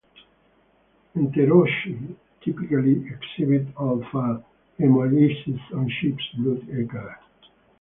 Enterococci typically exhibit alpha-hemolysis on sheep's blood agar.